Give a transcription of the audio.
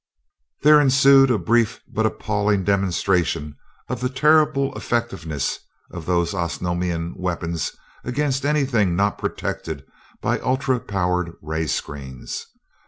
There ensued a brief but appalling demonstration of the terrible effectiveness of those Osnomian weapons against anything not protected by ultra powered ray screens.